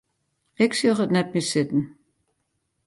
Ik sjoch it net mear sitten.